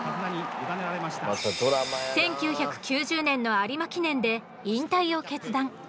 １９９０年の有馬記念で引退を決断。